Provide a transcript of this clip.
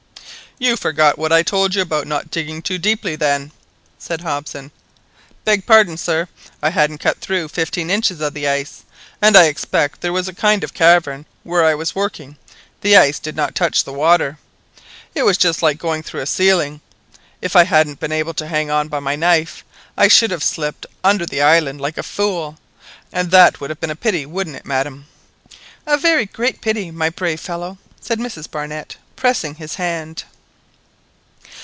"You forgot what I told you about not digging too deeply, then," said Hobson. "Beg pardon, sir; I hadn't cut through fifteen inches of the ice, and I expect there was a kind of cavern where I was working the ice did not touch the water. It was just like going through a ceiling. If I hadn't been able to hang on by my knife, I should have slipped under the island like a fool, and that would have been a pity, wouldn't it, madam?" "A very great pity, my brave fellow," said Mrs Barnett, pressing his hand.